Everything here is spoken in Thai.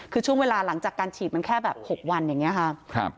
คือช่วงเวลาหลังจากการฉีดมันแค่แบบ๖วันอย่างนี้ค่ะ